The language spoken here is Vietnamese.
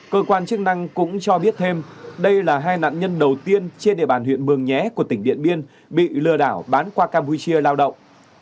cơ quan chức năng cũng cho biết thêm đây là hai nạn nhân đầu tiên trên địa bàn huyện mường nhé của tỉnh điện biên bị lừa đảo bán qua campuchia lao động